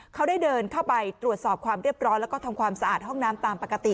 เขาได้เดินเข้าไปตรวจสอบความเรียบร้อยแล้วก็ทำความสะอาดห้องน้ำตามปกติ